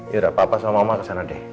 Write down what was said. yaudah papa sama mama kesana deh